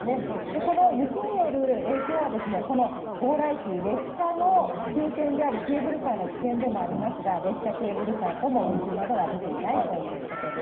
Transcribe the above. この雪による影響は、この強羅駅、列車の終点であり、ケーブルカーの起点でもありますが、列車、ケーブルカーとも運休などは出ていないということです。